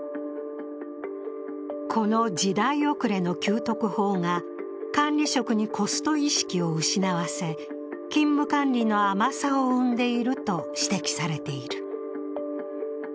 この時代遅れの給特法が管理職にコスト意識を失わせ、勤務管理の甘さを生んでいると指摘されている。